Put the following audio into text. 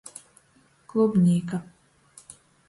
Klubnīka.